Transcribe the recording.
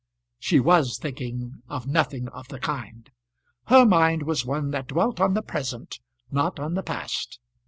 She was thinking of nothing of the kind. Her mind was one that dwelt on the present, not on the past.